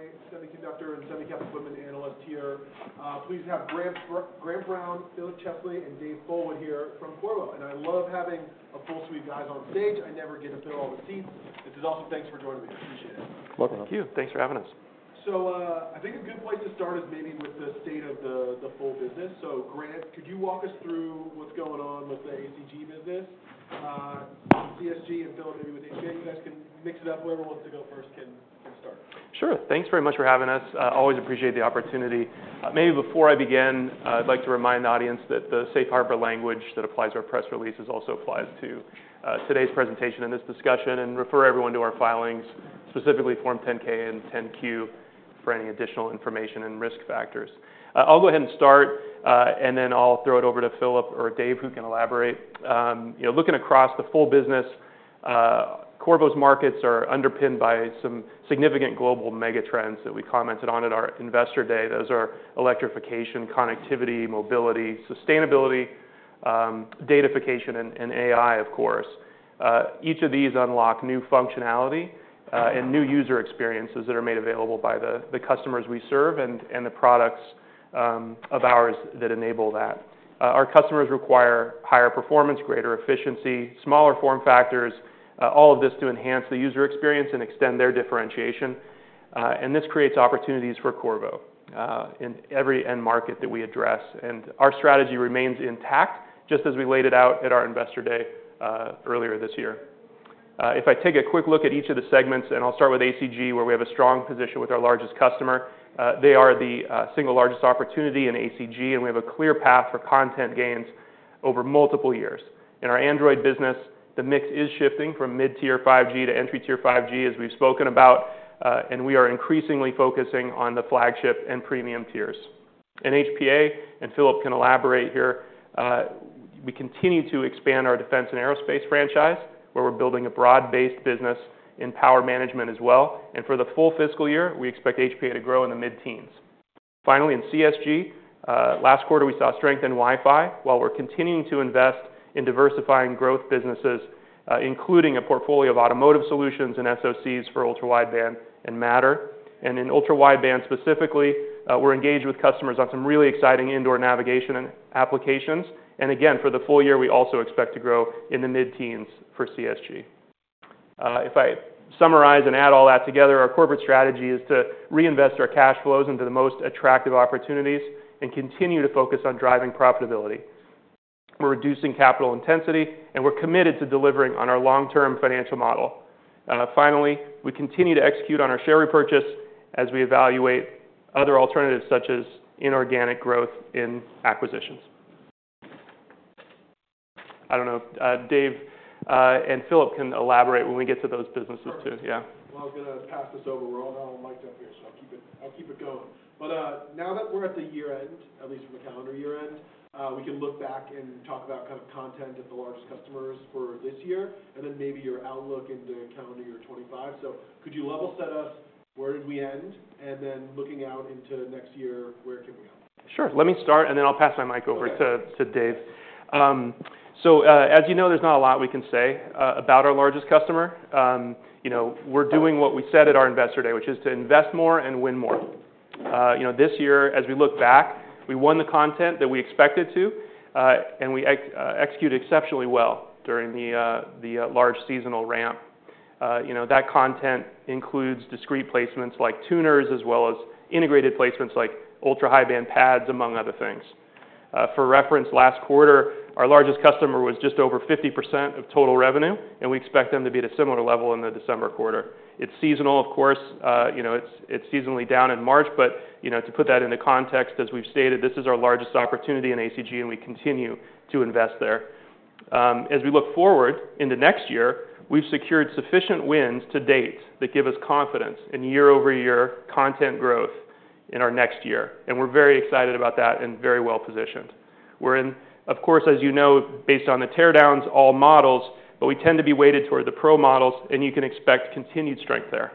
The semiconductor and semiconductor equipment analyst here. Please have Grant Brown, Philip Chesley, and Dave Fullwood here from Qorvo. I love having a full suite of guys on stage. I never get to fill all the seats. This is awesome. Thanks for joining me. I appreciate it. Welcome. Thank you. Thanks for having us. I think a good place to start is maybe with the state of the full business. Grant, could you walk us through what's going on with the ACG business? CSG and Philip, maybe with HPA. You guys can mix it up. Whoever wants to go first can start. Sure. Thanks very much for having us. Always appreciate the opportunity. Maybe before I begin, I'd like to remind the audience that the safe harbor language that applies to our press release also applies to today's presentation and this discussion, and refer everyone to our filings, specifically Form 10-K and 10-Q, for any additional information and risk factors. I'll go ahead and start, and then I'll throw it over to Philip or Dave, who can elaborate. Looking across the full business, Qorvo's markets are underpinned by some significant global megatrends that we commented on at our investor day. Those are electrification, connectivity, mobility, sustainability, datafication, and AI, of course. Each of these unlock new functionality and new user experiences that are made available by the customers we serve and the products of ours that enable that. Our customers require higher performance, greater efficiency, smaller form factors, all of this to enhance the user experience and extend their differentiation, and this creates opportunities for Qorvo in every end market that we address. Our strategy remains intact, just as we laid it out at our investor day earlier this year. If I take a quick look at each of the segments, and I'll start with ACG, where we have a strong position with our largest customer. They are the single largest opportunity in ACG, and we have a clear path for content gains over multiple years. In our Android business, the mix is shifting from mid-tier 5G to entry-tier 5G, as we've spoken about, and we are increasingly focusing on the flagship and premium tiers. In HPA, and Philip can elaborate here, we continue to expand our defense and aerospace franchise, where we're building a broad-based business in power management as well. And for the full fiscal year, we expect HPA to grow in the mid-teens. Finally, in CSG, last quarter we saw strength in Wi-Fi, while we're continuing to invest in diversifying growth businesses, including a portfolio of automotive solutions and SoCs for ultra-wideband and Matter. And in ultra-wideband specifically, we're engaged with customers on some really exciting indoor navigation applications. And again, for the full year, we also expect to grow in the mid-teens for CSG. If I summarize and add all that together, our corporate strategy is to reinvest our cash flows into the most attractive opportunities and continue to focus on driving profitability. We're reducing capital intensity, and we're committed to delivering on our long-term financial model. Finally, we continue to execute on our share repurchase as we evaluate other alternatives, such as inorganic growth in acquisitions. I don't know if Dave and Philip can elaborate when we get to those businesses too. Yeah. I'm going to pass this over. We're all now on mic down here, so I'll keep it going. Now that we're at the year end, at least for the calendar year end, we can look back and talk about kind of content at the largest customers for this year, and then maybe your outlook into calendar year 2025. Could you level set us where did we end? Then looking out into next year, where can we go? Sure. Let me start, and then I'll pass my mic over to Dave. So as you know, there's not a lot we can say about our largest customer. We're doing what we said at our investor day, which is to invest more and win more. This year, as we look back, we won the content that we expected to, and we executed exceptionally well during the large seasonal ramp. That content includes discrete placements like tuners, as well as integrated placements like ultra-high-band PAs, among other things. For reference, last quarter, our largest customer was just over 50% of total revenue, and we expect them to be at a similar level in the December quarter. It's seasonal, of course. It's seasonally down in March. But to put that into context, as we've stated, this is our largest opportunity in ACG, and we continue to invest there. As we look forward into next year, we've secured sufficient wins to date that give us confidence in year-over-year content growth in our next year, and we're very excited about that and very well positioned. We're in, of course, as you know, based on the teardowns, all models, but we tend to be weighted toward the pro models, and you can expect continued strength there.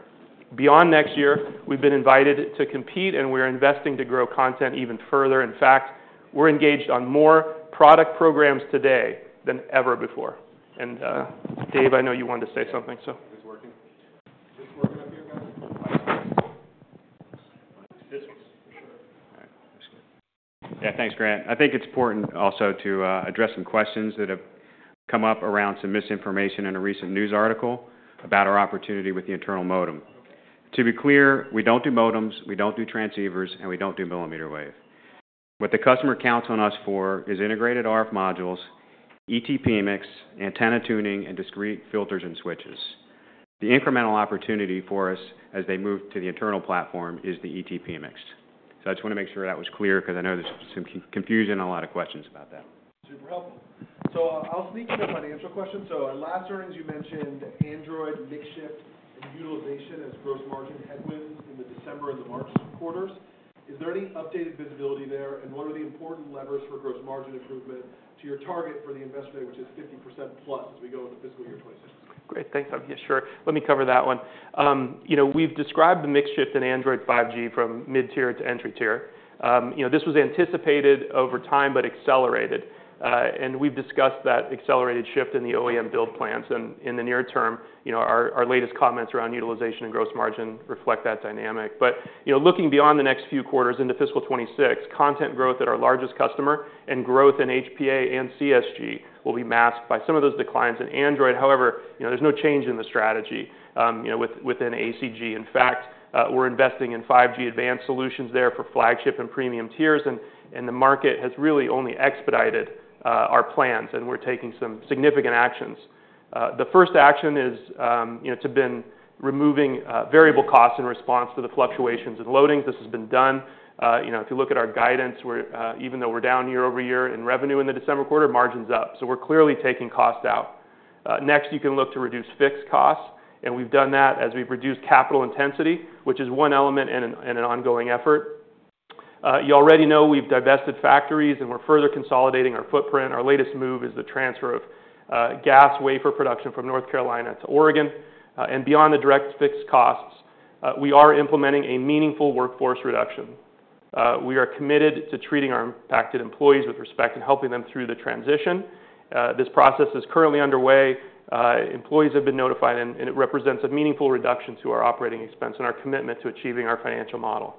Beyond next year, we've been invited to compete, and we're investing to grow content even further. In fact, we're engaged on more product programs today than ever before, and Dave, I know you wanted to say something, so. Is this working? Is this working up here, guys? This one. This one, for sure. All right. Yeah, thanks, Grant. I think it's important also to address some questions that have come up around some misinformation in a recent news article about our opportunity with the internal modem. To be clear, we don't do modems, we don't do transceivers, and we don't do millimeter wave. What the customer counts on us for is integrated RF modules, ET PMIC, antenna tuning, and discrete filters and switches. The incremental opportunity for us as they move to the internal platform is the ET PMIC. So I just want to make sure that was clear, because I know there's some confusion and a lot of questions about that. Super helpful. So I'll sneak in a financial question. So at last earnings, you mentioned Android, mix shift, and utilization as gross margin headwinds in the December and the March quarters. Is there any updated visibility there, and what are the important levers for gross margin improvement to your target for the investor day, which is 50%+ as we go into fiscal year 2026? Great. Thanks. I'm here. Sure. Let me cover that one. We've described the mix shift in Android 5G from mid-tier to entry tier. This was anticipated over time but accelerated, and we've discussed that accelerated shift in the OEM build plans, and in the near term, our latest comments around utilization and gross margin reflect that dynamic, but looking beyond the next few quarters into fiscal 2026, content growth at our largest customer and growth in HPA and CSG will be masked by some of those declines in Android. However, there's no change in the strategy within ACG. In fact, we're investing in 5G advanced solutions there for flagship and premium tiers, and the market has really only expedited our plans, and we're taking some significant actions. The first action has been removing variable costs in response to the fluctuations in loadings. This has been done. If you look at our guidance, even though we're down year-over-year in revenue in the December quarter, margin's up. So we're clearly taking cost out. Next, you can look to reduce fixed costs, and we've done that as we've reduced capital intensity, which is one element in an ongoing effort. You already know we've divested factories, and we're further consolidating our footprint. Our latest move is the transfer of GaAs wafer production from North Carolina to Oregon, and beyond the direct fixed costs, we are implementing a meaningful workforce reduction. We are committed to treating our impacted employees with respect and helping them through the transition. This process is currently underway. Employees have been notified, and it represents a meaningful reduction to our operating expense and our commitment to achieving our financial model.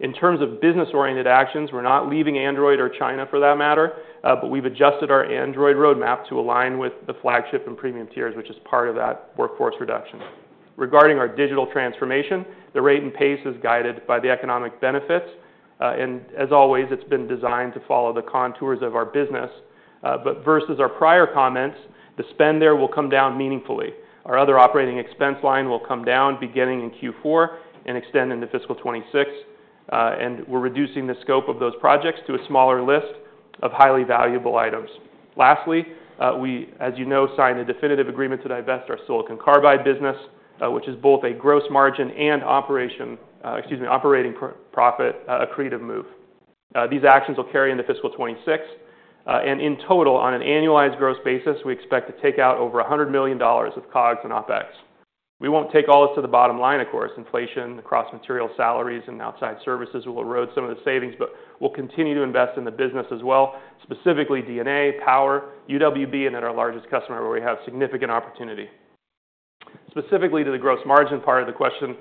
In terms of business-oriented actions, we're not leaving Android or China, for that matter, but we've adjusted our Android roadmap to align with the flagship and premium tiers, which is part of that workforce reduction. Regarding our digital transformation, the rate and pace is guided by the economic benefits, and as always, it's been designed to follow the contours of our business, but versus our prior comments, the spend there will come down meaningfully. Our other operating expense line will come down, beginning in Q4 and extending into fiscal 2026, and we're reducing the scope of those projects to a smaller list of highly valuable items. Lastly, we, as you know, signed a definitive agreement to divest our silicon carbide business, which is both a gross margin and operating profit accretive move. These actions will carry into fiscal 2026. In total, on an annualized gross basis, we expect to take out over $100 million with COGS and OpEx. We won't take all this to the bottom line, of course. Inflation, the cost of material salaries, and outside services will erode some of the savings, but we'll continue to invest in the business as well, specifically D&A, power, UWB, and then our largest customer, where we have significant opportunity. Specifically to the gross margin part of the question,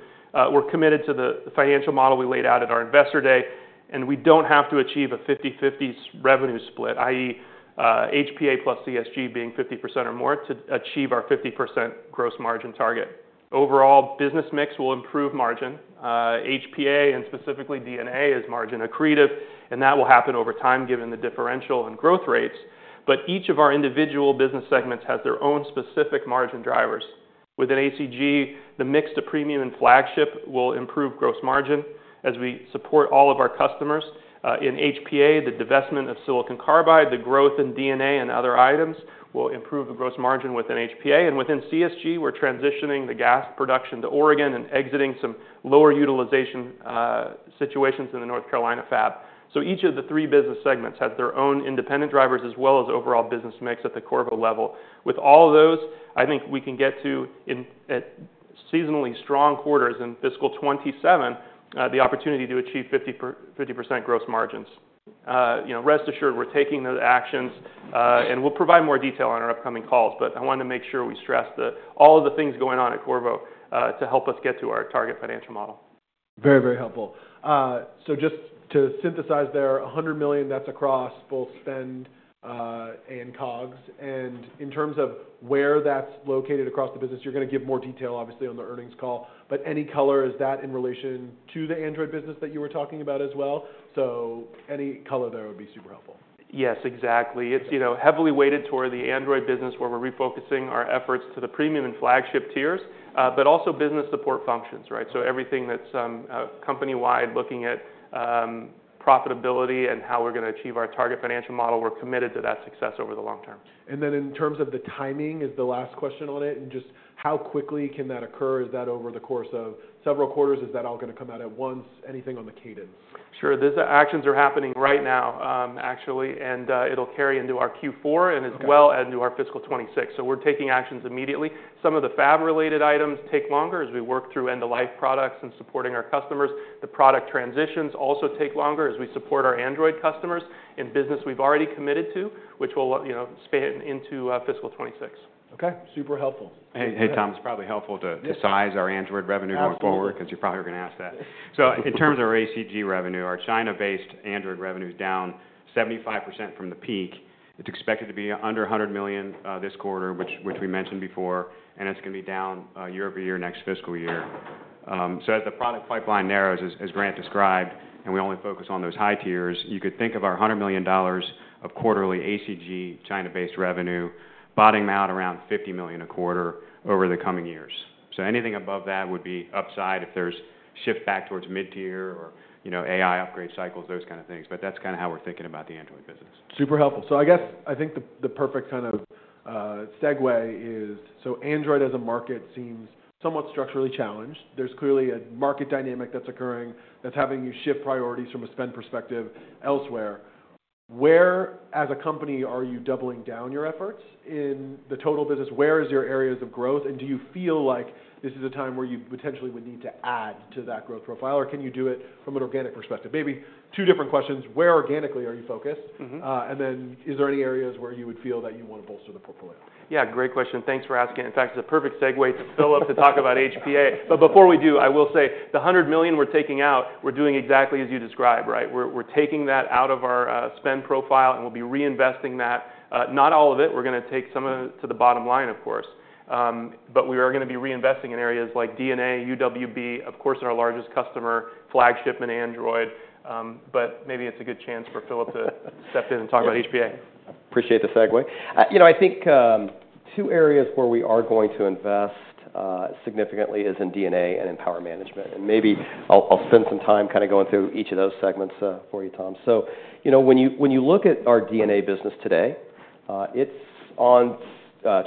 we're committed to the financial model we laid out at our investor day, and we don't have to achieve a 50/50 revenue split, i.e., HPA plus CSG being 50% or more, to achieve our 50% gross margin target. Overall, business mix will improve margin. HPA, and specifically D&A, is margin accretive, and that will happen over time, given the differential in growth rates. But each of our individual business segments has their own specific margin drivers. Within ACG, the mix to premium and flagship will improve gross margin as we support all of our customers. In HPA, the divestment of silicon carbide, the growth in D&A and other items will improve the gross margin within HPA. And within CSG, we're transitioning the GaAs production to Oregon and exiting some lower utilization situations in the North Carolina fab. So each of the three business segments has their own independent drivers, as well as overall business mix at the Qorvo level. With all of those, I think we can get to, in seasonally strong quarters in fiscal 2027, the opportunity to achieve 50% gross margins. Rest assured, we're taking those actions, and we'll provide more detail on our upcoming calls. But I wanted to make sure we stressed all of the things going on at Qorvo to help us get to our target financial model. Very, very helpful. So just to synthesize there, $100 million that's across both spend and COGS. And in terms of where that's located across the business, you're going to give more detail, obviously, on the earnings call. But any color? Is that in relation to the Android business that you were talking about as well? So any color there would be super helpful. Yes, exactly. It's heavily weighted toward the Android business, where we're refocusing our efforts to the premium and flagship tiers, but also business support functions, right? So everything that's company-wide, looking at profitability and how we're going to achieve our target financial model, we're committed to that success over the long term. And then, in terms of the timing, is the last question on it? And just how quickly can that occur? Is that over the course of several quarters? Is that all going to come out at once? Anything on the cadence? Sure. Those actions are happening right now, actually, and it'll carry into our Q4 and as well as into our fiscal 2026. So we're taking actions immediately. Some of the fab-related items take longer as we work through end-of-life products and supporting our customers. The product transitions also take longer as we support our Android customers in business we've already committed to, which will span into fiscal 2026. Okay. Super helpful. Hey, Tom. It's probably helpful to size our Android revenue going forward, because you're probably going to ask that. So in terms of our ACG revenue, our China-based Android revenue is down 75% from the peak. It's expected to be under $100 million this quarter, which we mentioned before, and it's going to be down year-over-year next fiscal year. So as the product pipeline narrows, as Grant described, and we only focus on those high tiers, you could think of our $100 million of quarterly ACG China-based revenue bottoming out around $50 million a quarter over the coming years. So anything above that would be upside if there's shift back towards mid-tier or AI upgrade cycles, those kind of things. But that's kind of how we're thinking about the Android business. Super helpful. So I guess I think the perfect kind of segue is, so Android as a market seems somewhat structurally challenged. There's clearly a market dynamic that's occurring that's having you shift priorities from a spend perspective elsewhere. Where, as a company, are you doubling down your efforts in the total business? Where are your areas of growth? And do you feel like this is a time where you potentially would need to add to that growth profile? Or can you do it from an organic perspective? Maybe two different questions. Where organically are you focused? And then is there any areas where you would feel that you want to bolster the portfolio? Yeah, great question. Thanks for asking. In fact, it's a perfect segue to Phil to talk about HPA. But before we do, I will say the $100 million we're taking out, we're doing exactly as you described, right? We're taking that out of our spend profile, and we'll be reinvesting that. Not all of it. We're going to take some of it to the bottom line, of course. But we are going to be reinvesting in areas like D&A, UWB, of course, our largest customer, flagship, and Android. But maybe it's a good chance for Philip to step in and talk about HPA. Appreciate the segue. I think two areas where we are going to invest significantly is in D&A and in power management. And maybe I'll spend some time kind of going through each of those segments for you, Tom. So when you look at our D&A business today, it's on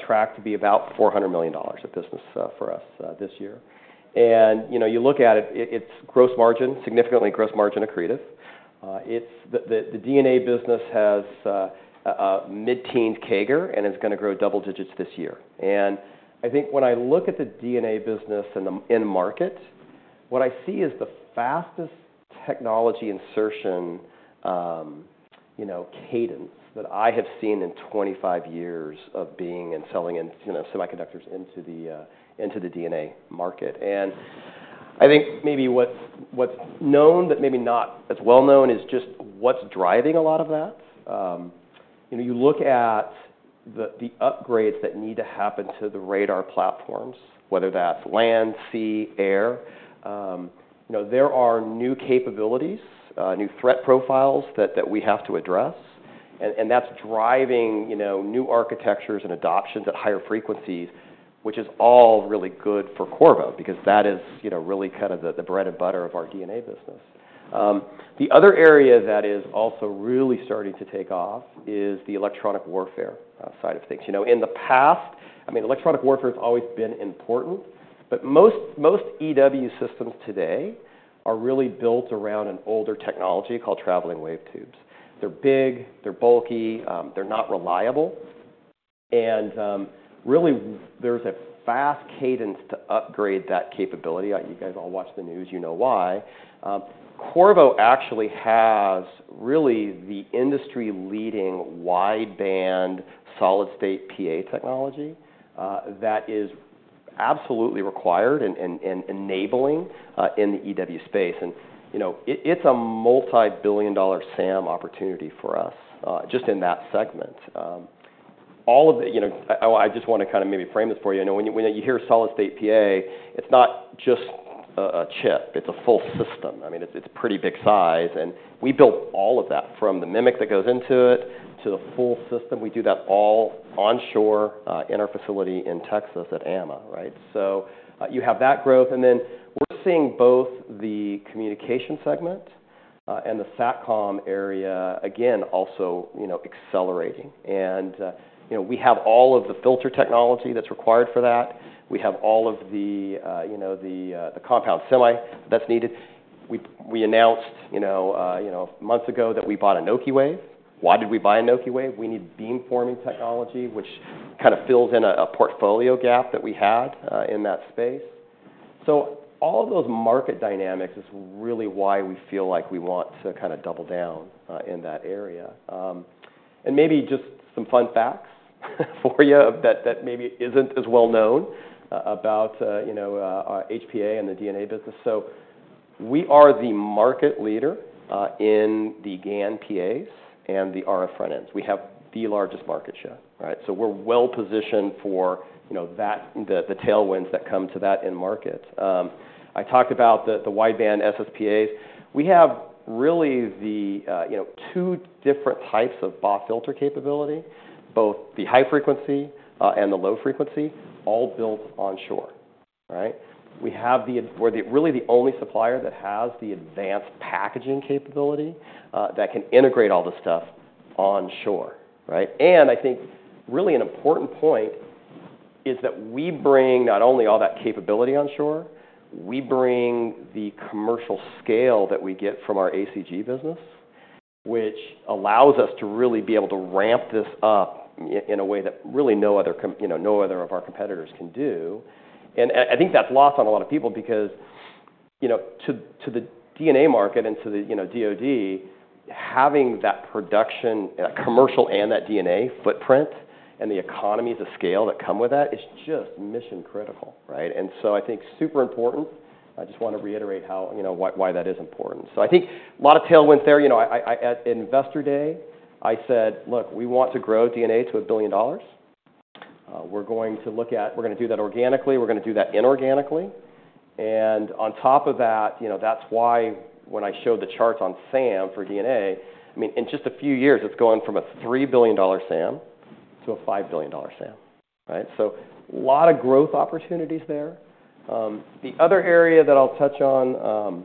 track to be about $400 million of business for us this year. And you look at it, it's gross margin, significantly gross margin accretive. The D&A business has mid-teens CAGR, and it's going to grow double digits this year. And I think when I look at the D&A business and the end market, what I see is the fastest technology insertion cadence that I have seen in 25 years of being and selling semiconductors into the D&A market. And I think maybe what's known, but maybe not as well known, is just what's driving a lot of that. You look at the upgrades that need to happen to the radar platforms, whether that's land, sea, air. There are new capabilities, new threat profiles that we have to address, and that's driving new architectures and adoptions at higher frequencies, which is all really good for Qorvo, because that is really kind of the bread and butter of our D&A business. The other area that is also really starting to take off is the electronic warfare side of things. In the past, I mean, electronic warfare has always been important, but most EW systems today are really built around an older technology called traveling wave tubes. They're big, they're bulky, they're not reliable, and really, there's a fast cadence to upgrade that capability. You guys all watch the news, you know why. Qorvo actually has really the industry-leading wide-band solid-state PA technology that is absolutely required and enabling in the EW space. And it's a multi-billion-dollar SAM opportunity for us just in that segment. I just want to kind of maybe frame this for you. When you hear solid-state PA, it's not just a chip. It's a full system. I mean, it's a pretty big size. And we built all of that, from the MMIC that goes into it to the full system. We do that all onshore in our facility in Texas at AMMA, right? So you have that growth. And then we're seeing both the communication segment and the SATCOM area, again, also accelerating. And we have all of the filter technology that's required for that. We have all of the compound semi that's needed. We announced months ago that we bought an Anokiwave. Why did we buy Anokiwave? We need beamforming technology, which kind of fills in a portfolio gap that we had in that space. So all of those market dynamics is really why we feel like we want to kind of double down in that area. And maybe just some fun facts for you that maybe isn't as well known about HPA and the D&A business. So we are the market leader in the GaN PAs and the RF front ends. We have the largest market share, right? So we're well positioned for the tailwinds that come to that end market. I talked about the wide-band SSPAs. We have really two different types of BAW filter capability, both the high frequency and the low frequency, all built onshore, right? We have really the only supplier that has the advanced packaging capability that can integrate all this stuff onshore, right? And I think really an important point is that we bring not only all that capability onshore, we bring the commercial scale that we get from our ACG business, which allows us to really be able to ramp this up in a way that really no other of our competitors can do. And I think that's lost on a lot of people, because to the D&A market and to the DOD, having that production, that commercial and that D&A footprint, and the economies of scale that come with that is just mission critical, right? And so I think super important. I just want to reiterate why that is important. So I think a lot of tailwinds there. At investor day, I said, "Look, we want to grow D&A to $1 billion. We're going to look at, we're going to do that organically, we're going to do that inorganically." And on top of that, that's why when I showed the charts on SAM for D&A, I mean, in just a few years, it's gone from a $3 billion SAM to a $5 billion SAM, right? So a lot of growth opportunities there. The other area that I'll touch on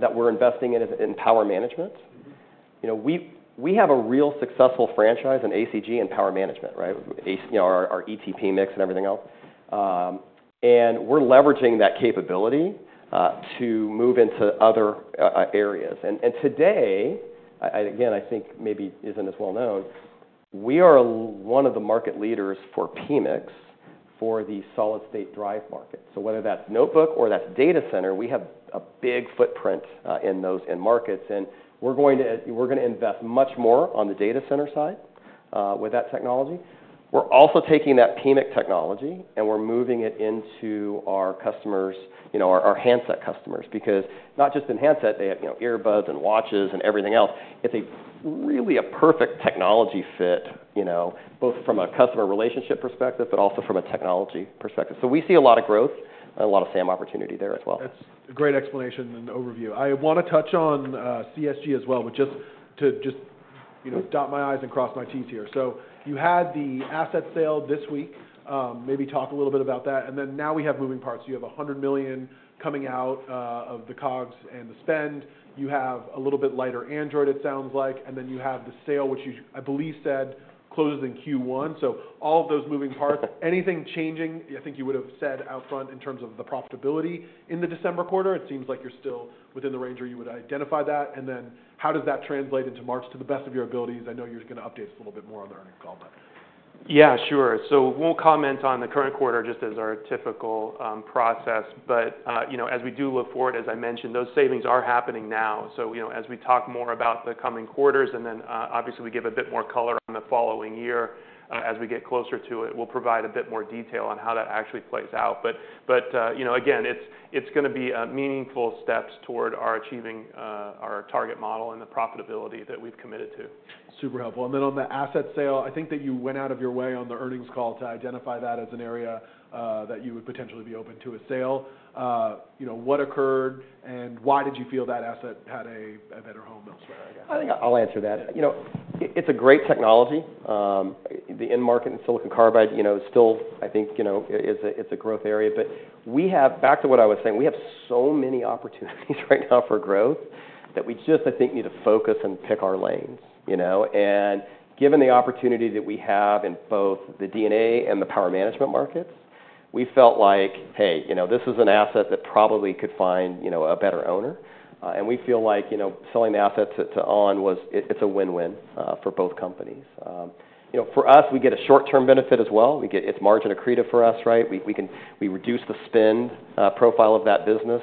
that we're investing in is in power management. We have a real successful franchise in ACG and power management, right? Our ET PMICs and everything else. And we're leveraging that capability to move into other areas. And today, again, I think maybe isn't as well known, we are one of the market leaders for PMICs for the solid-state drive market. So whether that's notebook or that's data center, we have a big footprint in those end markets. We're going to invest much more on the data center side with that technology. We're also taking that PMIC technology and we're moving it into our customers, our handset customers, because not just in handset, they have earbuds and watches and everything else. It's really a perfect technology fit, both from a customer relationship perspective, but also from a technology perspective. We see a lot of growth and a lot of SAM opportunity there as well. That's a great explanation and overview. I want to touch on CSG as well, but just to dot my i's and cross my t's here, so you had the asset sale this week. Maybe talk a little bit about that, and then now we have moving parts. You have $100 million coming out of the COGS and the spend. You have a little bit lighter Android, it sounds like, and then you have the sale, which I believe said closes in Q1, so all of those moving parts. Anything changing? I think you would have said up front in terms of the profitability in the December quarter. It seems like you're still within the range where you would identify that, and then how does that translate into March to the best of your abilities? I know you're going to update us a little bit more on the earnings call, but. Yeah, sure. So we'll comment on the current quarter just as our typical process. But as we do look forward, as I mentioned, those savings are happening now. So as we talk more about the coming quarters, and then obviously we give a bit more color on the following year as we get closer to it, we'll provide a bit more detail on how that actually plays out. But again, it's going to be meaningful steps toward our achieving our target model and the profitability that we've committed to. Super helpful. And then on the asset sale, I think that you went out of your way on the earnings call to identify that as an area that you would potentially be open to a sale. What occurred and why did you feel that asset had a better home elsewhere, I guess? I think I'll answer that. It's a great technology. The end market in silicon carbide still, I think it's a growth area. But back to what I was saying, we have so many opportunities right now for growth that we just, I think, need to focus and pick our lanes. And given the opportunity that we have in both the D&A and the power management markets, we felt like, hey, this is an asset that probably could find a better owner. And we feel like selling the asset to ON, it's a win-win for both companies. For us, we get a short-term benefit as well. It's margin accretive for us, right? We reduce the spend profile of that business.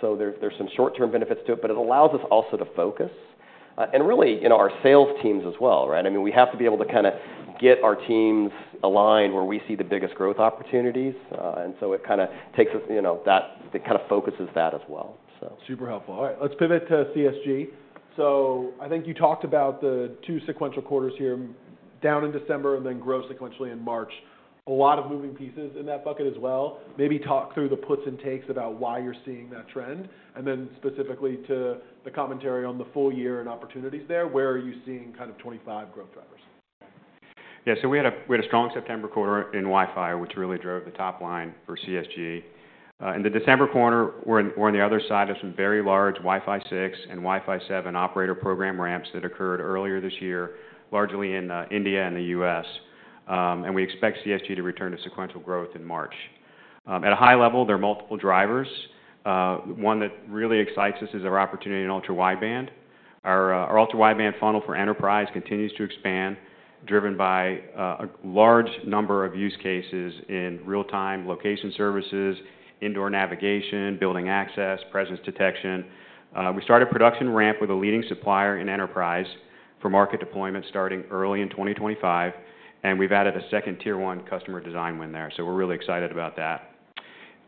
So there's some short-term benefits to it, but it allows us also to focus. And really our sales teams as well, right? I mean, we have to be able to kind of get our teams aligned where we see the biggest growth opportunities, and so it kind of takes us. That kind of focuses that as well, so. Super helpful. All right, let's pivot to CSG. So I think you talked about the two sequential quarters here down in December and then grow sequentially in March. A lot of moving pieces in that bucket as well. Maybe talk through the puts and takes about why you're seeing that trend. And then specifically to the commentary on the full year and opportunities there, where are you seeing kind of 2025 growth drivers? Yeah, so we had a strong September quarter in Wi-Fi, which really drove the top line for CSG. In the December quarter, we're on the other side of some very large Wi-Fi 6 and Wi-Fi 7 operator program ramps that occurred earlier this year, largely in India and the U.S. And we expect CSG to return to sequential growth in March. At a high level, there are multiple drivers. One that really excites us is our opportunity in ultra-wideband. Our ultra-wideband funnel for enterprise continues to expand, driven by a large number of use cases in real-time location services, indoor navigation, building access, presence detection. We started production ramp with a leading supplier in enterprise for market deployment starting early in 2025. And we've added a second tier one customer design win there. So we're really excited about that.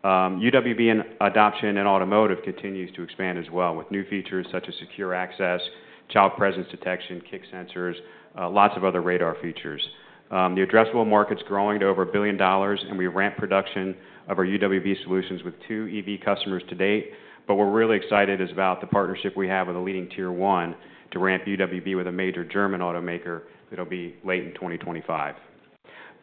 UWB adoption in automotive continues to expand as well with new features such as secure access, child presence detection, kick sensors, lots of other radar features. The addressable market's growing to over $1 billion, and we ramp production of our UWB solutions with two EV customers to date, but what we're really excited about is the partnership we have with a leading tier one to ramp UWB with a major German automaker that'll be late in 2025.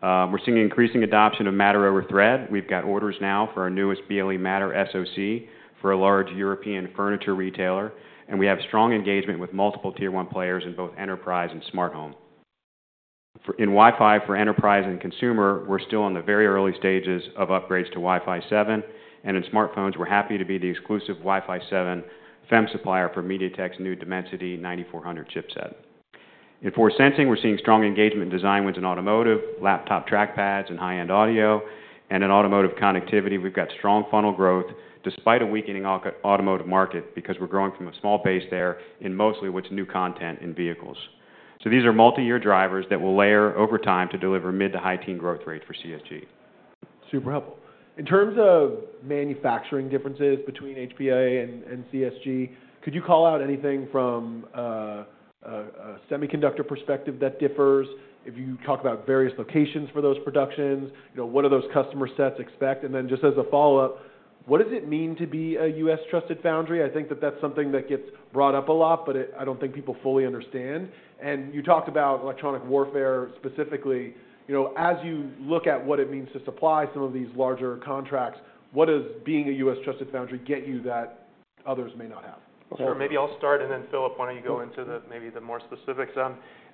We're seeing increasing adoption of Matter over Thread. We've got orders now for our newest BLE Matter SoC for a large European furniture retailer, and we have strong engagement with multiple tier one players in both enterprise and smart home. In Wi-Fi for enterprise and consumer, we're still on the very early stages of upgrades to Wi-Fi 7. And in smartphones, we're happy to be the exclusive Wi-Fi 7 FEM supplier for MediaTek's new Dimensity 9400 chipset. In forward sensing, we're seeing strong engagement in design wins in automotive, laptop trackpads, and high-end audio. And in automotive connectivity, we've got strong funnel growth despite a weakening automotive market because we're growing from a small base there in mostly what's new content in vehicles. So these are multi-year drivers that will layer over time to deliver mid to high-teens growth rate for CSG. Super helpful. In terms of manufacturing differences between HPA and CSG, could you call out anything from a semiconductor perspective that differs? If you talk about various locations for those productions, what do those customer sets expect? And then just as a follow-up, what does it mean to be a U.S. Trusted Foundry? I think that that's something that gets brought up a lot, but I don't think people fully understand. And you talked about electronic warfare specifically. As you look at what it means to supply some of these larger contracts, what does being a U.S. Trusted Foundry get you that others may not have? Sure. Maybe I'll start and then fill up on it. You go into maybe the more specifics.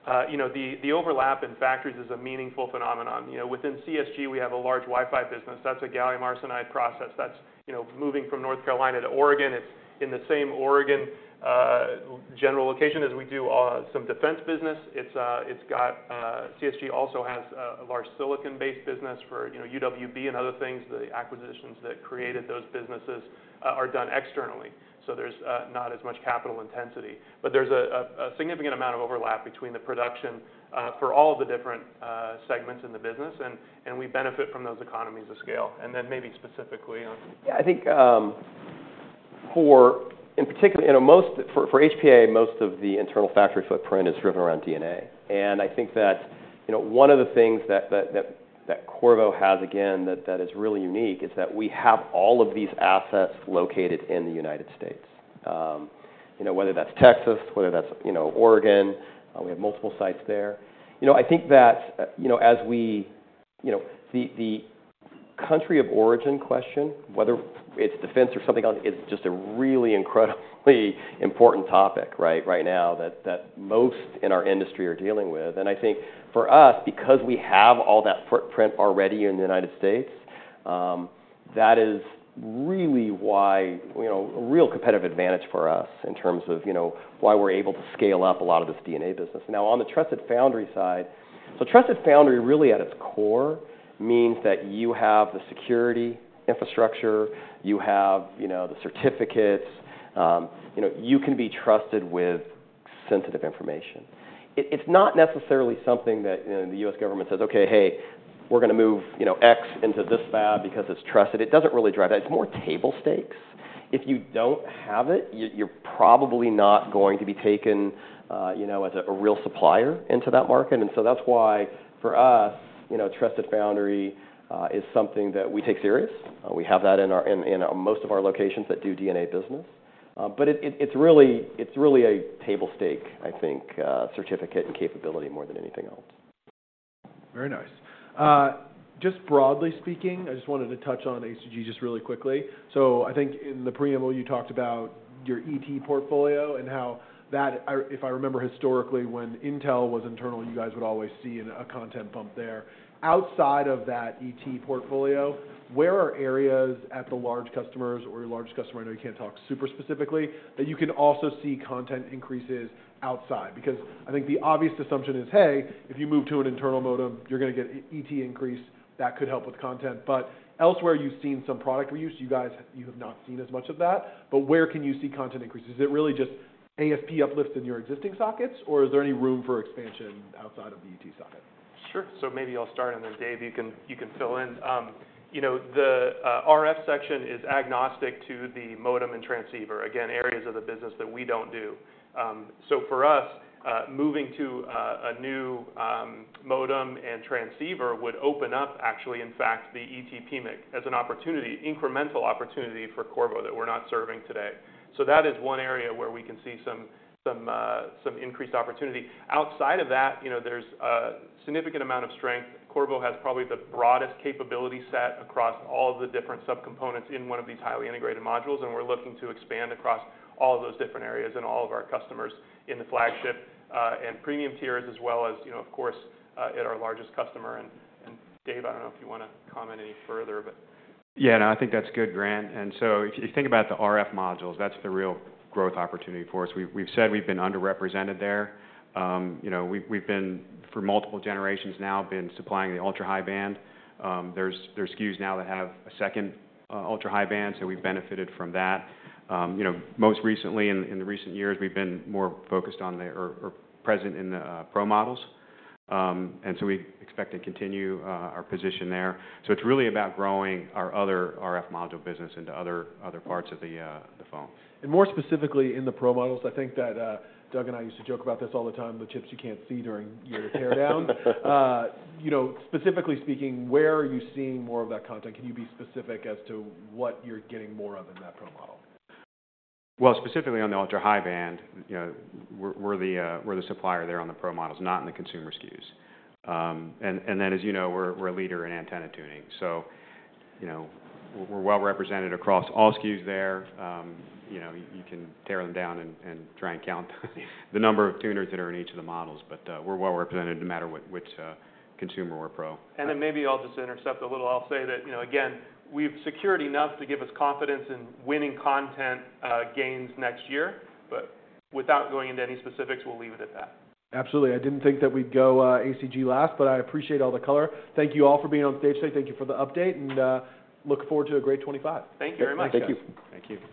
The overlap in factories is a meaningful phenomenon. Within CSG, we have a large Wi-Fi business. That's a gallium arsenide process. That's moving from North Carolina to Oregon. It's in the same Oregon general location as we do some defense business. CSG also has a large silicon-based business for UWB and other things. The acquisitions that created those businesses are done externally. So there's not as much capital intensity. But there's a significant amount of overlap between the production for all of the different segments in the business. And we benefit from those economies of scale. And then maybe specifically. Yeah, I think in particular, for HPA, most of the internal factory footprint is driven around D&A. And I think that one of the things that Qorvo has, again, that is really unique is that we have all of these assets located in the United States. Whether that's Texas, whether that's Oregon, we have multiple sites there. I think that as we see the country of origin question, whether it's defense or something else, is just a really incredibly important topic right now that most in our industry are dealing with. And I think for us, because we have all that footprint already in the United States, that is really why a real competitive advantage for us in terms of why we're able to scale up a lot of this D&A business. Now, on the trusted foundry side, so trusted foundry really at its core means that you have the security infrastructure, you have the certificates, you can be trusted with sensitive information. It's not necessarily something that the U.S. government says, "Okay, hey, we're going to move X into this fab because it's trusted." It doesn't really drive that. It's more table stakes. If you don't have it, you're probably not going to be taken as a real supplier into that market. And so that's why for us, trusted foundry is something that we take serious. We have that in most of our locations that do D&A business. But it's really a table stake, I think, certificate and capability more than anything else. Very nice. Just broadly speaking, I just wanted to touch on ACG just really quickly. So I think in the preamble, you talked about your ET portfolio and how that, if I remember historically, when Intel was internal, you guys would always see a content bump there. Outside of that ET portfolio, where are areas at the large customers or your largest customer? I know you can't talk super specifically that you can also see content increases outside? Because I think the obvious assumption is, "Hey, if you move to an internal modem, you're going to get ET increase that could help with content." But elsewhere, you've seen some product reuse. You guys have not seen as much of that. But where can you see content increases? Is it really just ASP uplifts in your existing sockets, or is there any room for expansion outside of the ET socket? Sure, so maybe I'll start, and then Dave, you can fill in. The RF section is agnostic to the modem and transceiver. Again, areas of the business that we don't do. So for us, moving to a new modem and transceiver would open up, actually, in fact, the ET PMIC as an incremental opportunity for Qorvo that we're not serving today. So that is one area where we can see some increased opportunity. Outside of that, there's a significant amount of strength. Qorvo has probably the broadest capability set across all of the different subcomponents in one of these highly integrated modules, and we're looking to expand across all of those different areas and all of our customers in the flagship and premium tiers, as well as, of course, at our largest customer, and Dave, I don't know if you want to comment any further, but. Yeah, no, I think that's good, Grant. And so if you think about the RF modules, that's the real growth opportunity for us. We've said we've been underrepresented there. We've been, for multiple generations now, supplying the ultra-high band. There's SKUs now that have a second ultra-high band, so we've benefited from that. Most recently, in the recent years, we've been more focused on or present in the Pro Models. And so we expect to continue our position there. So it's really about growing our other RF module business into other parts of the phone. And more specifically in the Pro Models, I think that Doug and I used to joke about this all the time, the chips you can't see during your teardown. Specifically speaking, where are you seeing more of that content? Can you be specific as to what you're getting more of in that Pro Model? Specifically on the ultra-high band, we're the supplier there on the Pro Models, not in the consumer SKUs. Then, as you know, we're a leader in antenna tuning. We're well represented across all SKUs there. You can tear them down and try and count the number of tuners that are in each of the models, but we're well represented no matter which consumer or pro. And then maybe I'll just intercept a little. I'll say that, again, we've secured enough to give us confidence in winning content gains next year. But without going into any specifics, we'll leave it at that. Absolutely. I didn't think that we'd go ACG last, but I appreciate all the color. Thank you all for being on stage today. Thank you for the update and look forward to a great 2025. Thank you very much. Thank you.